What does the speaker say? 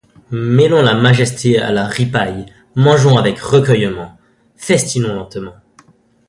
Mêlons la majesté à la ripaille; mangeons avec recueillement; festinons lentement.